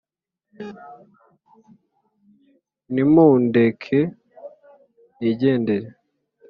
Nimundeke nigendere